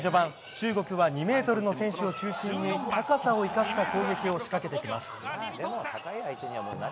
中国は２ｍの選手を中心に高さを生かした攻撃を仕かけてきます。